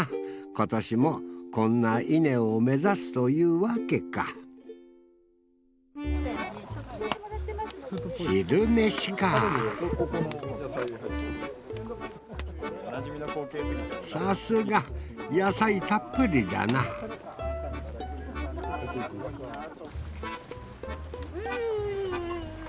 今年もこんな稲を目指すというわけか昼飯かさすが野菜たっぷりだなハハハッ。